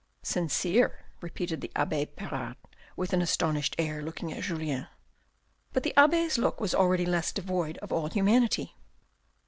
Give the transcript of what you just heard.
"Sincere," repeated the abbe Pirard with an astonished air, looking at Julien. But the abbe's look was already less devoid of all humanity.